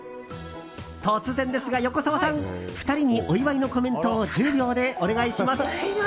突然ですが、横澤さん！２人にお祝いのコメントを１０秒でお願いします。